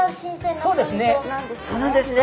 そうなんですね。